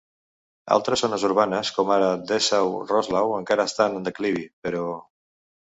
Altres zones urbanes, com ara Dessau-Roslau, encara estan en declivi, però.